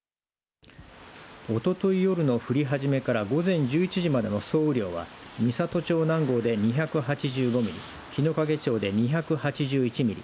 おととい夜の降り始めから午前１１時までの総雨量は美郷町南郷で２８５ミリ日之影町で２８１ミリ